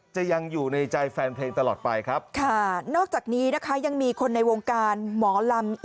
จะยังอยู่ในใจแฟนเพลงตลอดไปครับค่ะนอกจากนี้นะคะยังมีคนในวงการหมอลำ